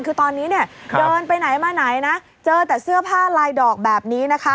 คือตอนนี้เนี่ยเดินไปไหนมาไหนนะเจอแต่เสื้อผ้าลายดอกแบบนี้นะคะ